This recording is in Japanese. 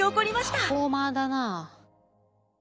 パフォーマーだな。